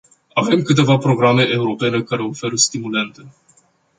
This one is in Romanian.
Avem câteva programe europene care oferă stimulente.